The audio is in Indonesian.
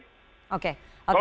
kalau saya kritik itu yang lain